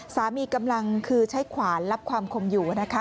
สามีกำลังคือใช้ขวานรับความคมอยู่นะคะ